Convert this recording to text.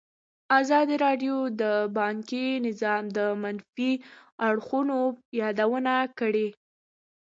ازادي راډیو د بانکي نظام د منفي اړخونو یادونه کړې.